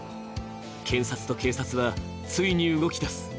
検察と警察はついに動き出す。